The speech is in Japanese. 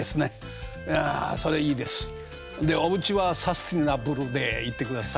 でおうちはサスティナブルでいってください。